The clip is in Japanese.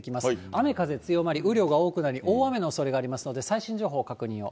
雨風強まり、雨量が多くなり、大雨のおそれがありますので、最新情報の確認を。